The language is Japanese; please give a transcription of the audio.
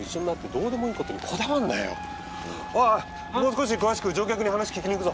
もう少し詳しく乗客に話聞きに行くぞ！